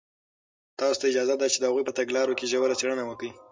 تاسو ته اجازه ده چې د هغوی په تګلارو کې ژوره څېړنه وکړئ.